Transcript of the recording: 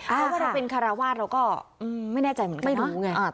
เมื่อเราเป็นขาราวาศเราก็ไม่แน่ใจเหมือนกัน